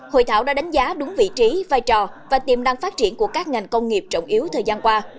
hội thảo đã đánh giá đúng vị trí vai trò và tiềm năng phát triển của các ngành công nghiệp trọng yếu thời gian qua